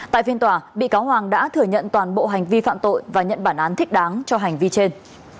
tại phiên tòa bị cáo hoàng đã thừa nhận toàn bộ hành vi phạm tội và nhận bản án thích đáng cho hành vi trên